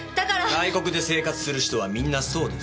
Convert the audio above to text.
外国で生活する人はみんなそうですよ。